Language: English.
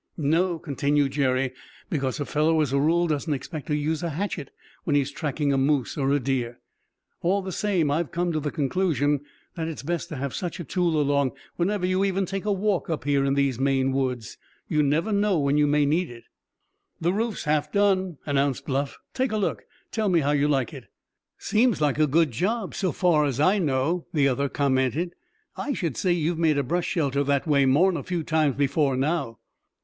"No," continued Jerry, "because a fellow as a rule doesn't expect to use a hatchet when he's tracking a moose or a deer. All the same, I've come to the conclusion that it's best to have such a tool along whenever you even take a walk up here in these Maine woods. You never know when you may need it." "The roof's half done," announced Bluff. "Take a look, and tell me how you like it." "Seems like a good job, so far as I know," the other commented. "I should say you've made a brush shelter that way more'n a few times before now."